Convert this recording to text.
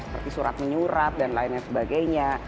seperti surat menyurap dan lainnya sebagainya